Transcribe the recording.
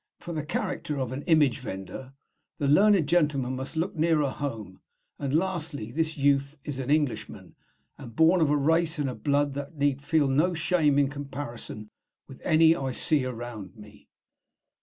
For the character of "an image vendor," the learned gentleman must look nearer home; and, lastly, this youth is an Englishman, and born of a race and a blood that need feel no shame in comparison with any I see around me!'